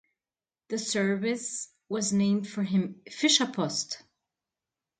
The service was named for him "Fischerpost".